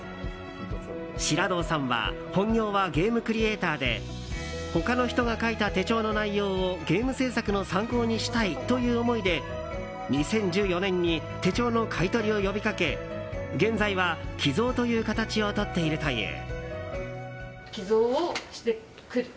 志良堂さんは本業はゲームクリエイターで他の人が書いた手帳の内容をゲーム制作の参考にしたいという思いで、２０１４年に手帳の買い取りを呼びかけ現在は寄贈という形をとっているという。